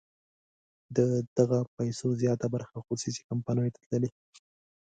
د دغه پیسو زیاته برخه خصوصي کمپنیو ته تللې.